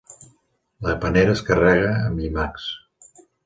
La panera es carrega amb llimacs.